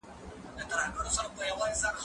مځکي ته وګوره؟